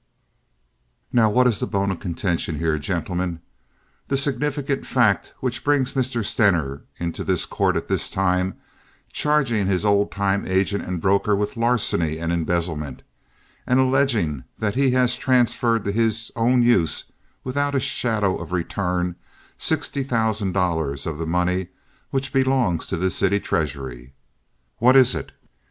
"Now what is the bone of contention here, gentlemen, the significant fact which brings Mr. Stener into this court at this time charging his old time agent and broker with larceny and embezzlement, and alleging that he has transferred to his own use without a shadow of return sixty thousand dollars of the money which belongs to the city treasury? What is it?